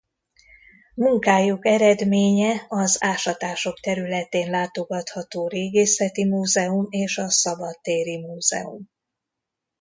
Munkájuk eredménye az ásatások területén látogatható Régészeti Múzeum és a szabadtéri múzeum.